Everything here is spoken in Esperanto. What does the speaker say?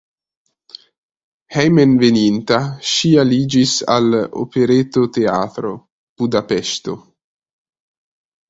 Hejmenveninta ŝi aliĝis al Operetoteatro (Budapeŝto).